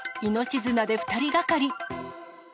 命綱で２人がかり。